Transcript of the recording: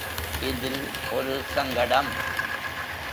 இதில் ஒரு சங்கடம்.